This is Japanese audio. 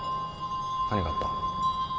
何があった？